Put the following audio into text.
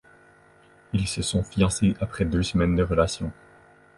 Ils se sont fiancés après deux semaines de relation.